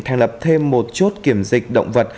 thành lập thêm một chốt kiểm dịch động vật